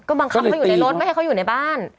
บังคับเขาอยู่ในรถไม่ให้เขาอยู่ในบ้าน